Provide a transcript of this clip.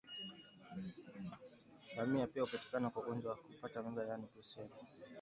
Ngamia pia huathirika na ugonjwa wa kutupa mimba yaani Brusela